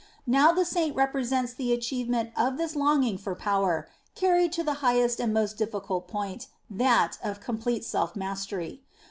Now the Saint represents the achievement of this longing for power, carried to the highest and most difficult point, that of complete self mastery.